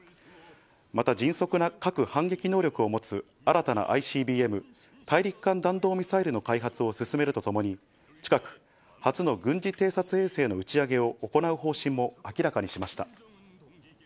また迅速な核反撃能力を持つ新たなＩＣＢＭ・大陸間弾道ミサイルの開発を進めるとともに、近く初の軍事偵察衛星の打ち上げを行う方針も明らかにしました。